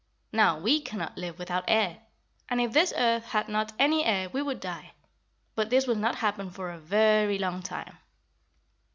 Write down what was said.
Now, we cannot live without air, and if this earth had not any air we would die. But this will not happen for a very long time."